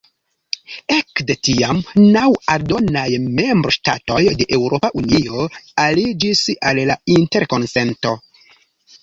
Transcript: Ekde tiam naŭ aldonaj membroŝtatoj de Eŭropa Unio aliĝis al la interkonsento.